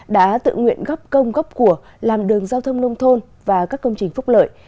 đã tự nguyện góp công góp của làm đường giao thông nông thôn và các công trình phúc lợi